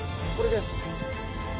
これです。